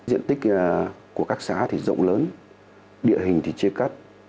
diện tích của các xã thì rộng lớn địa hình thì chia cắt